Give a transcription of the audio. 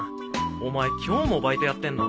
お前今日もバイトやってんの？